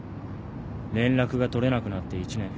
連絡が取れなくなって１年。